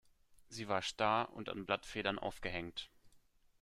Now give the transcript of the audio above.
Sie war starr und an Blattfedern aufgehängt.